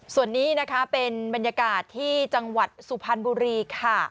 ส่วนนี้นะคะเป็นบรรยากาศที่จังหวัดสุพรรณบุรีค่ะ